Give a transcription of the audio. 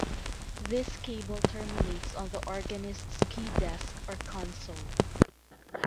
This cable terminates on the organist's key desk or console.